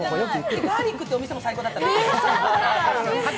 ガーリックってお店も最高だったね。